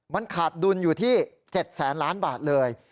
มันขาดดุลอยู่ที่๗๐๐๐๐๐บาทเลย